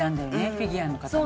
フィギュアの方ね。